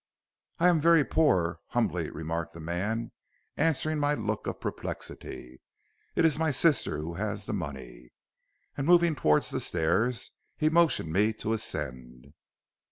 "'I am very poor,' humbly remarked the man, answering my look of perplexity. 'It is my sister who has the money.' And moving towards the stairs, he motioned me to ascend.